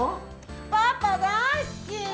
パパ大好き。